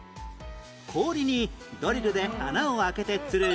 氷にドリルで穴を開けて釣る